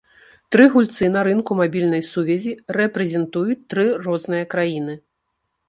Тры гульцы на рынку мабільнай сувязі рэпрэзентуюць тры розныя краіны.